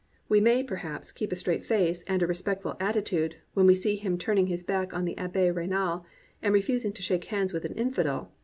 We may, perhaps, keep a straight face and a respectful atti tude when we see him turning his back on the Abbe Raynal, and refusing to "shake hands with an in fidel."